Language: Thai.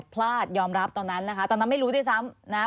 พลาดยอมรับตอนนั้นนะคะตอนนั้นไม่รู้ด้วยซ้ำนะ